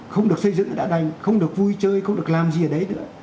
không được xây dựng đã đành không được vui chơi không được làm gì ở đấy nữa